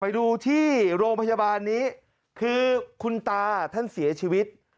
ไปดูที่โรงพยาบาลนี้คือคุณตาท่านเสียชีวิต